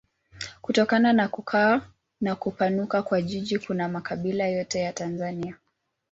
Kutokana na kukua na kupanuka kwa jiji kuna makabila yote ya Tanzania.